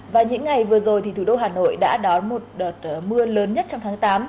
và những ngày vừa rồi thì thủ đô hà nội đã đón một đợt mưa lớn nhất trong tháng tám